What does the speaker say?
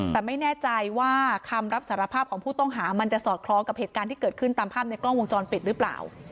แต่ไม่แน่ใจว่าคำรับสารภาพของผู้ต้องหามันจะสอดคล้องกับเหตุการณ์ที่เกิดขึ้นตามภาพในกล้องวงจรปิดหรือเปล่า